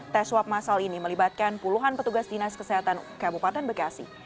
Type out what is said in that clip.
tes swab masal ini melibatkan puluhan petugas dinas kesehatan kabupaten bekasi